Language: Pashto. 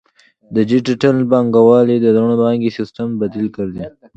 ډیجیټل بانکوالي د زوړ بانکي سیستم بدیل ګرځي.